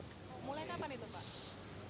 mulainya apa nih tempat